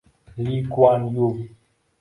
© Li Kuan Yu